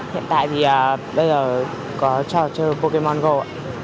hiện tại thì bây giờ có trò chơi pokemon go ạ